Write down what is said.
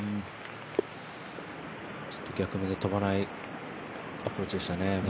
ちょっと逆目で飛ばないアプローチでしたね。